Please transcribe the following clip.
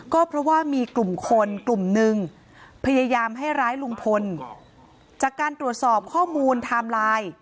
ก็เพราะว่ามีกลุ่มคนกลุ่มหนึ่งพยายามให้ร้ายลุงพลจากการตรวจสอบข้อมูลไทม์ไลน์